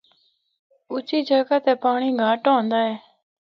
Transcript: اُچی جگہ تے پانڑی گہٹ ہوندا اے۔